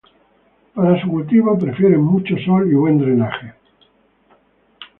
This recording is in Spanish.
Para su cultivo prefieren mucho sol y buen drenaje.